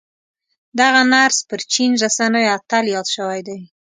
دغه نرس پر چين رسنيو اتل ياد شوی دی.